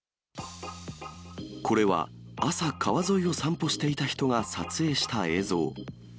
これは朝、川沿いを散歩していた人が撮影した映像。